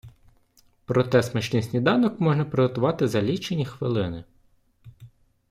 Проте смачний сніданок можна приготувати за лічені хвилини.